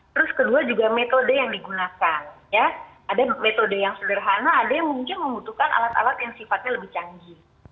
terus kedua juga metode yang digunakan ya ada metode yang sederhana ada yang mungkin membutuhkan alat alat yang sifatnya lebih canggih